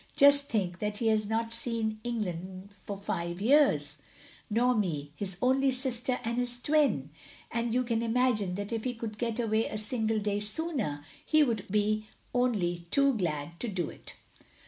Just think that he has not seen England for five years — nor me — his only sister and his twin! And you can imagine that if he could get away a single day sooner, he would be only too glad to do it."